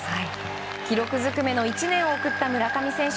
記録ずくめの１年を送った村上選手。